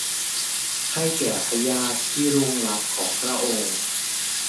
ให้แก่พระญาติที่ล่วงลับของพระองค์